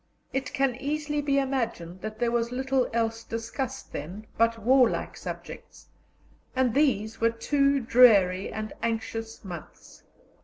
It can easily be imagined that there was little else discussed then but warlike subjects, and these were two dreary and anxious months.